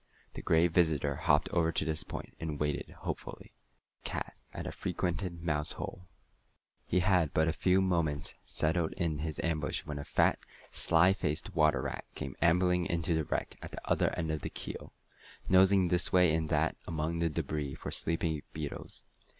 The Gray Visitor hopped over to this point, and waited hopefully, like a cat at a frequented mouse hole. He had been but a few moments settled in his ambush when a fat, sly faced water rat came ambling into the wreck at the other end of the keel, nosing this way and that among the débris for sleepy beetles.